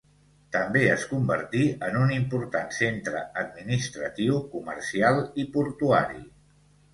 També es convertí en un important centre administratiu, comercial i portuari.